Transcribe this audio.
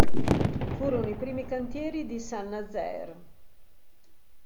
Furono i primi cantieri di Saint-Nazaire.